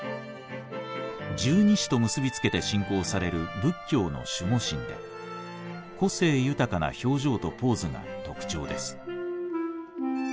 十二支と結び付けて信仰される仏教の守護神で個性豊かな表情とポーズが特徴です。